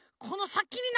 このさき！